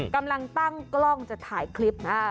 กำลังตั้งกล้องจะถ่ายคลิปนะ